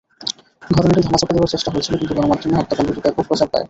ঘটনাটি ধামাচাপা দেওয়ার চেষ্টা হয়েছিল, কিন্তু গণমাধ্যমে হত্যাকাণ্ডটি ব্যাপক প্রচার পায়।